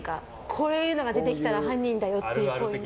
こういうのが出てきたら犯人だよっていう。